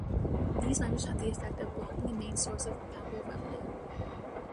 These measures had the effect of blocking a main source of papal revenue.